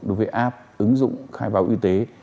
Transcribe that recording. đối với app ứng dụng khai báo y tế